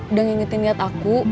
udah ngingetin lihat aku